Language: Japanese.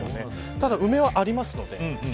ただ、梅はあります。